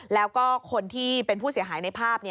แล้วก็คนที่เป็นผู้เสียหายในภาพ